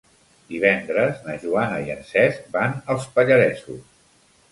Divendres na Joana i en Cesc van als Pallaresos.